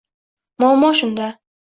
Muammo shunda